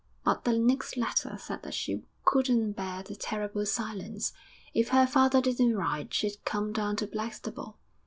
But the next letter said that she couldn't bear the terrible silence; if her father didn't write she'd come down to Blackstable.